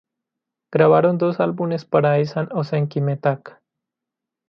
Grabaron dos álbumes para Esan Ozenki-Metak.